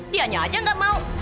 dia aja nggak mau